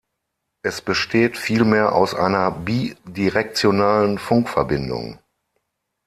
Es besteht vielmehr aus einer bidirektionalen Funkverbindung.